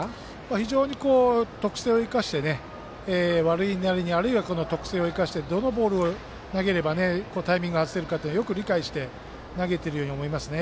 非常に特性を生かして、悪いなりにあるいは特性を生かしてどのボールを投げればタイミング外せるかというのをよく理解して投げているように思いますね。